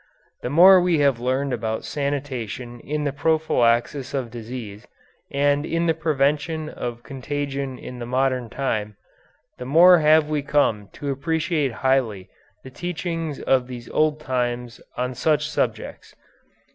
The more we have learned about sanitation in the prophylaxis of disease and in the prevention of contagion in the modern time, the more have we come to appreciate highly the teachings of these old times on such subjects.